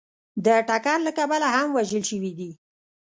د ټکر له کبله هم وژل شوي دي